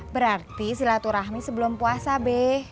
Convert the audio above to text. berarti silaturahmi sebelum puasa be